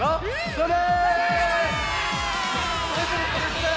それ！